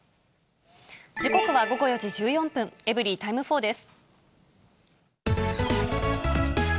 時刻は午後４時１４分、エブリィタイム４です。